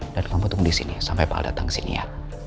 dan kamu tunggu di sini sampai pak al datang sini ya